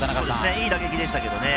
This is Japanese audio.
いい打撃でしたけどね。